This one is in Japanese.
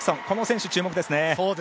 この選手、注目ですね。